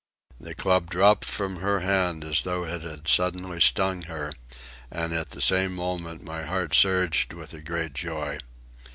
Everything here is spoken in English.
The club dropped from her hand as though it had suddenly stung her, and at the same moment my heart surged with a great joy.